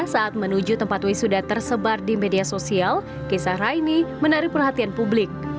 saat menuju tempat wisuda tersebar di media sosial kisah raini menarik perhatian publik